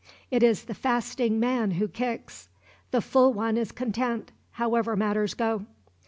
It is the fasting man who kicks. The full one is content, however matters go."